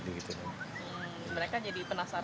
mereka jadi penasaran